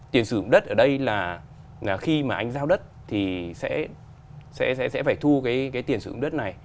tiền sử dụng đất ở đây là khi mà anh giao đất thì sẽ phải thu cái tiền sử dụng đất này